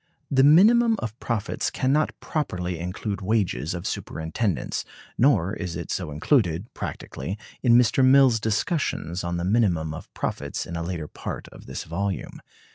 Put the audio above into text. The minimum of profits can not properly include wages of superintendence, nor is it so included, practically, in Mr. Mill's discussions on the minimum of profits in a later part of this volume.